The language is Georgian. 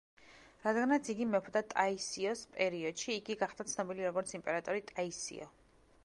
რადგანაც იგი მეფობდა ტაისიოს პერიოდში, იგი გახდა ცნობილი როგორც იმპერატორი ტაისიო.